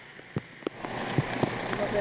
すみません。